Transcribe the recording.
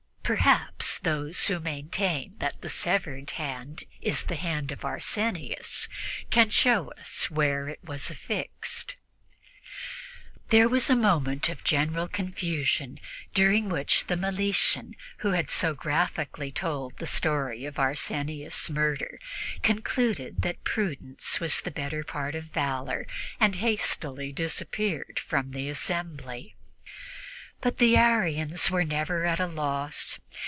Perhaps those who maintain that that severed hand is the hand of Arsenius can show us where it was affixed." There was a moment of general confusion, during which the Meletian who had so graphically told the story of Arsenius' murder concluded that prudence was the better part of valor and hastily disappeared from the assembly. But the Arians were never at a loss.